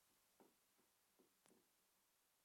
“Oh, how do you do, she!” she exclaimed.